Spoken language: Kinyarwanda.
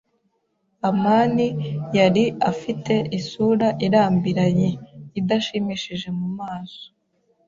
amani yari afite isura irambiranye, idashimishije mu maso.